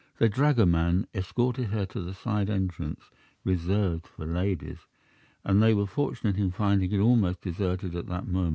The dragoman escorted her to the side entrance, reserved for ladies, and they were fortunate in finding it almost deserted at that moment.